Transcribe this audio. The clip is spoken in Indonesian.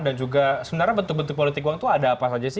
dan juga sebenarnya bentuk bentuk politik uang itu ada apa saja sih